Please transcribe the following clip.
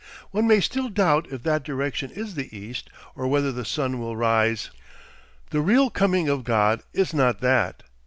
One may still doubt if that direction is the east or whether the sun will rise. The real coming of God is not that.